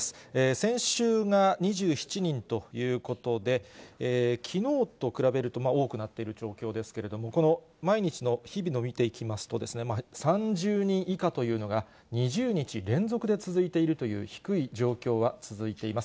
先週が２７人ということで、きのうと比べると多くなっている状況ですけれども、この毎日の、日々の見ていきますと、３０人以下というのが、２０日連続で続いているという低い状況は続いています。